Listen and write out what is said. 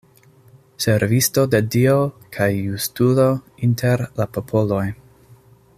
Servisto de Dio kaj justulo inter la popoloj.